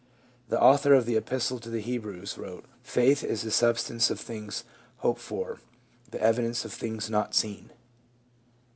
The author of the Epistle to the Hebrews wrote: "Faith is the substance of things hoped for, the evidence of things not seen."